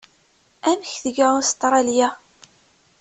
Amek tga Ustṛalya?